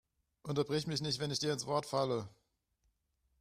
Unterbrich mich nicht, wenn ich dir ins Wort falle!